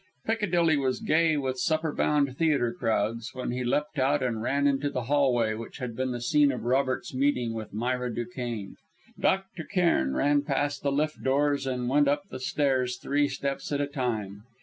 Piccadilly was gay with supper bound theatre crowds when he leapt out and ran into the hall way which had been the scene of Robert's meeting with Myra Duquesne. Dr. Cairn ran past the lift doors and went up the stairs three steps at a time.